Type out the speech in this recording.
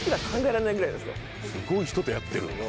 すごい人とやってるんだ。